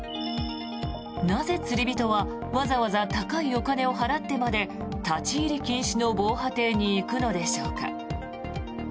なぜ釣り人はわざわざ高いお金を払ってまで立ち入り禁止の防波堤に行くのでしょうか。